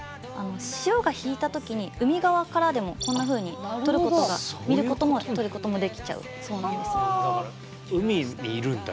潮が引いた時に海側からでもこんなふうに撮ることが見ることも撮ることもできちゃうそうなんです。